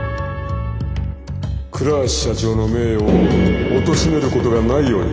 倉橋社長の名誉をおとしめることがないように。